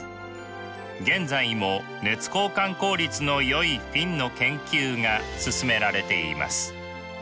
現在も熱交換効率のよいフィンの研究が進められています。